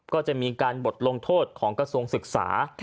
ก็จะมีการบทลงโทษของกระทรวงศึกษา